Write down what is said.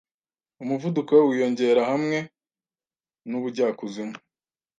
Umuvuduko wiyongera hamwe nubujyakuzimu